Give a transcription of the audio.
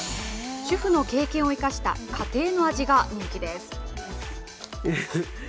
主婦の経験を生かした家庭の味が人気です。